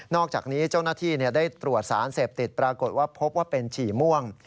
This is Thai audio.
อกจากนี้เจ้าหน้าที่ได้ตรวจสารเสพติดปรากฏว่าพบว่าเป็นฉี่ม่วง